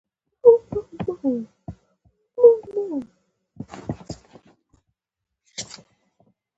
بډایه هېوادونه د نورو پرېکړې کوي.